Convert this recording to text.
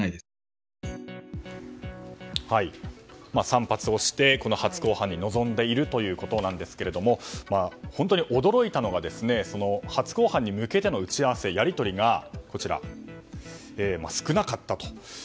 散髪をして、初公判に臨んでいるということですが本当に驚いたのが初公判に向けての打ち合わせややり取りが少なかったと。